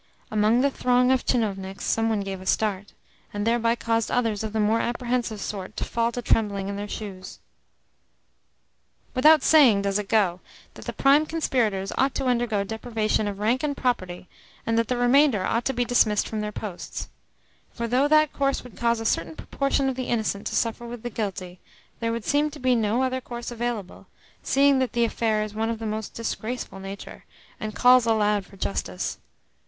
Among the throng of tchinovniks some one gave a start, and thereby caused others of the more apprehensive sort to fall to trembling in their shoes. "Without saying does it go that the prime conspirators ought to undergo deprivation of rank and property, and that the remainder ought to be dismissed from their posts; for though that course would cause a certain proportion of the innocent to suffer with the guilty, there would seem to be no other course available, seeing that the affair is one of the most disgraceful nature, and calls aloud for justice.